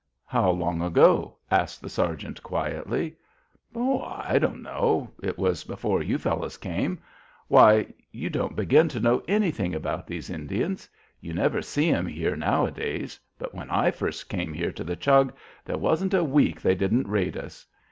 "How long ago?" asked the sergeant, quietly. "Oh, I don't know. It was before you fellows came. Why, you don't begin to know anything about these Indians! You never see 'em here nowadays, but when I first came here to the Chug there wasn't a week they didn't raid us.